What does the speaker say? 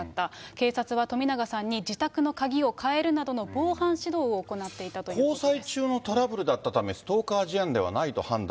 警察は冨永さんに自宅の鍵を変えるなどの防犯指導を行っていたと交際中のトラブルだったため、ストーカー事案ではないと判断。